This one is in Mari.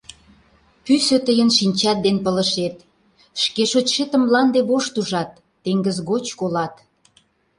Пӱсӧ тыйын шинчат ден пылышет: шке шочшетым мланде вошт ужат, теҥыз гоч колат.